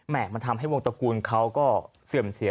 มันทำให้วงตระกูลเขาก็เสื่อมเสีย